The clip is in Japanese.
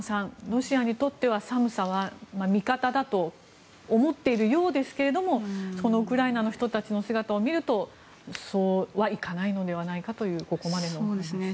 ロシアにとっては寒さは味方だと思っているようですけれどもウクライナの人たちの姿を見るとそうはいかないのではないかというここまでのお話ですね。